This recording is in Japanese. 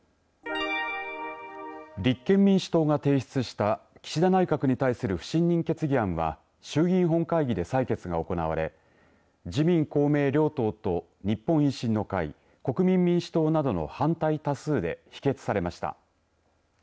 立憲民主党が提出した岸田内閣に対する不信任決議案は衆議院本会議で採決が行われ、自民・公明両党と日本維新の会、国民民主党などの反対多数で否決されました。